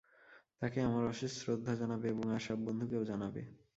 তাঁকে আমার অশেষ শ্রদ্ধা জানাবে এবং আর সব বন্ধুকেও জানাবে।